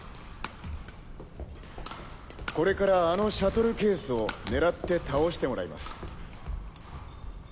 これからあのシャトルケースを狙って倒してもらいます。